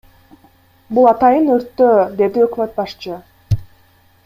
Бул атайын өрттөө, — деди өкмөт башчы.